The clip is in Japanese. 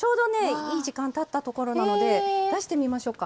いい時間たったところなので出してみましょうか。